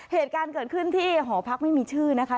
เหตุการณ์เกิดขึ้นที่หอพักไม่มีชื่อนะคะ